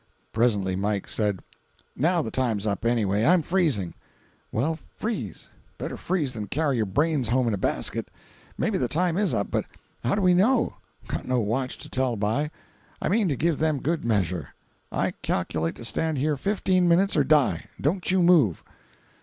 Presently Mike said: "Now the time's up, anyway. I'm freezing." "Well freeze. Better freeze than carry your brains home in a basket. Maybe the time is up, but how do we know?—got no watch to tell by. I mean to give them good measure. I calculate to stand here fifteen minutes or die. Don't you move."